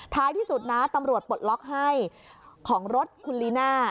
ท้ายที่สุดนะตำรวจปลดล็อกให้ของรถคุณลีน่า